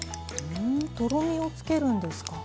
ふんとろみをつけるんですか？